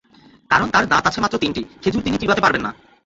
কারণ তাঁর দাঁত আছে মাত্র তিনটি, খেজুর তিনি চিবাতে পারবেন না।